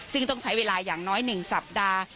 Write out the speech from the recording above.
ซึ่งต้องใช้เวลาอย่างน้อย๑สัปดาห์